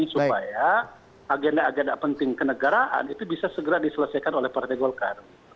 supaya agenda agenda penting kenegaraan itu bisa segera diselesaikan oleh partai golkar